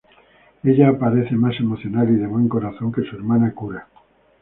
Ella parece más emocional y de buen corazón que su hermana, Kura.